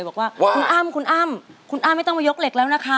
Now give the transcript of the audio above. บอกว่าคุณอ้ำคุณอ้ำคุณอ้ำไม่ต้องมายกเหล็กแล้วนะคะ